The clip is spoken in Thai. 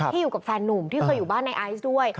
อยู่กับแฟนนุ่มที่เคยอยู่บ้านในไอซ์ด้วย